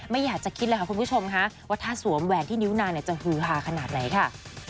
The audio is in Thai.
ไม่อยากจะคิดเลยค่ะคุณผู้ชมค่ะว่าถ้าสวมแหวนที่นิ้วนานจะฮือฮาขนาดไหนค่ะ